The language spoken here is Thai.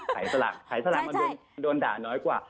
ขายสลักขายสลักมันโดนด่าน้อยกว่า